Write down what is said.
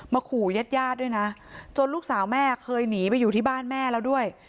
ขู่ญาติญาติด้วยนะจนลูกสาวแม่เคยหนีไปอยู่ที่บ้านแม่แล้วด้วย